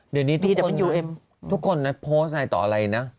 เดี๋ยวนี้ทุกคนนะโพสในต่ออะไรนะ